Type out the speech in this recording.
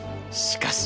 しかし？